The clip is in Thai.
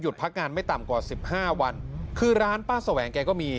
พักงานไม่ต่ำกว่าสิบห้าวันคือร้านป้าแสวงแกก็มี